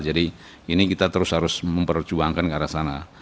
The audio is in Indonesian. jadi ini kita terus harus memperjuangkan